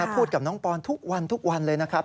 พูดกับน้องปอนทุกวันเลยนะครับ